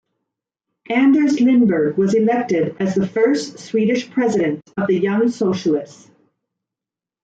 Anders Lindberg was elected as the first Swedish president of the Young Socialists.